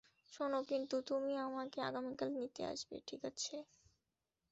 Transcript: শোনো, কিন্তু তুমি আমাকে আগামীকাল নিতে আসবে, ঠিক আছে?